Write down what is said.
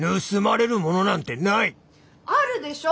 あるでしょ！